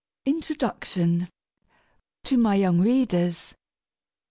] INTRODUCTION. _To my Young Readers.